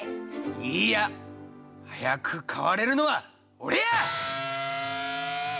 いいや早く買われるのは俺や！